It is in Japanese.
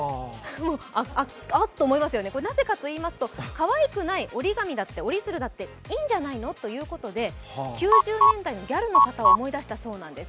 あっと思いますよね、なぜかといいますと、かわいくない折り紙だって、折り鶴だっていいんじゃないのということで、９０年代のギャルの方を思い出したそうなんです。